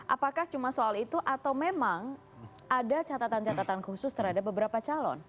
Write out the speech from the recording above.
apakah cuma soal itu atau memang ada catatan catatan khusus terhadap beberapa calon